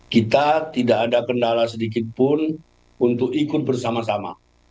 kita tidak ada kendala sedikit pun untuk ikut bersama sama